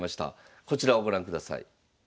こちらをご覧ください。